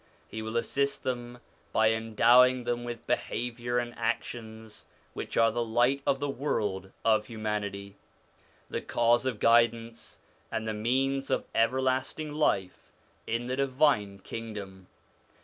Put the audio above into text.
He will assist them by endowing them with behaviour and actions which are the light of the world of humanity, the cause of guidance, and the means of everlasting life in the Divine Kingdom.